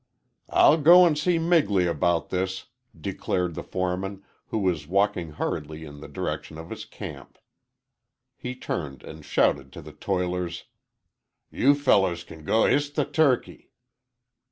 "I'll go and see Migley about this," declared the foreman, who was walking hurriedly in the direction of his camp. He turned and shouted to the toilers, "You fellers can go 'histe the turkey.'"